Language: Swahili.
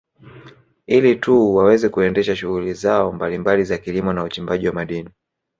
Ili tu waweze kuendesha shughuli zao mbalimbali za kilimo na uchimbaji wa madini